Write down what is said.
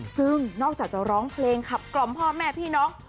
ซึ่งนอกจากจะร้องเพลงขับกล่อมพ่อแม่พี่น้อง